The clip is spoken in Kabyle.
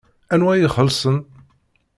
Anwa i ixelṣen?